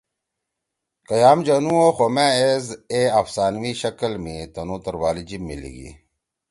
کا یام جنوو خو مأ ایز اے افسانوی شکل می تُنو توروالی جیب می لیگی۔